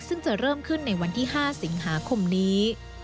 ซึ่งจะเริ่มขึ้นในวันที่๕สิงหาคมนี้